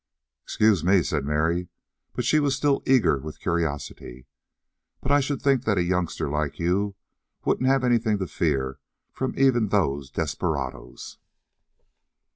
"Excuse me," said Mary, but she was still eager with curiosity, "but I should think that a youngster like you wouldn't have anything to fear from even those desperadoes."